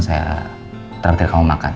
saya traktir kamu makan